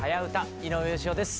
井上芳雄です。